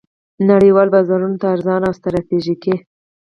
نړیوالو بازارونو ته ارزانه او ستراتیژیکې